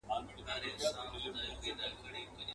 صبر ته د سترګو مي مُغان راسره وژړل.